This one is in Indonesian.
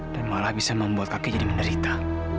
dan malah bisa membuat kakek jadi menderita